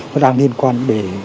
nó đang liên quan đến